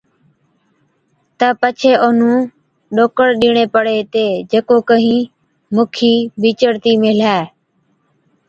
تہ پڇي اونَھُون ڏوڪڙ ڏيڻي پَڙي ھِتي جڪو ڪھين مُکِي بِچڙتِي ميلَھِي.